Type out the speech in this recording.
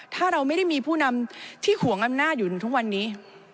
ถ้าเราไม่ได้มีผู้นำที่ห่วงอำนาจอยู่ทุกวันนี้